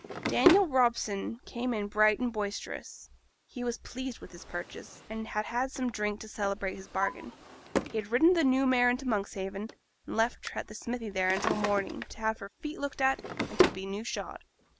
Daniel Robson came in bright and boisterous. He was pleased with his purchase, and had had some drink to celebrate his bargain. He had ridden the new mare into Monkshaven, and left her at the smithy there until morning, to have her feet looked at, and to be new shod.